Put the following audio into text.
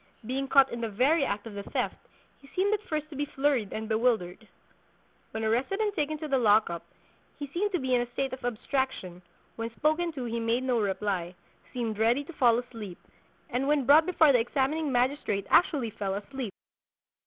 Being caught in the very act of the theft, he seemed at first to be flurried and bewildered. When arrested and taken to the lock up, he seemed to be in a state of abstraction; when spoken to he made no reply, seemed ready to fall asleep, and when brought before the examining magistrate actually fell asleep.